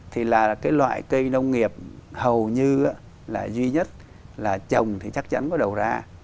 thì là cái loại cây nông nghiệp hầu như là duy nhất là trồng thì chắc chắn có đầu ra